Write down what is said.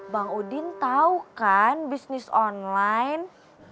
bang udin tahu kan bisnis online